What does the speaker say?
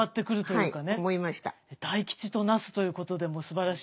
大吉と成すということでもうすばらしい。